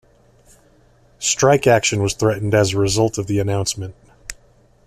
Strike action was threatened as a result of the announcement.